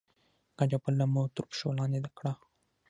ګډه پوله مو تر پښو لاندې کړه.